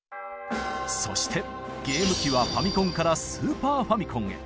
そしてゲーム機はファミコンからスーパーファミコンへ。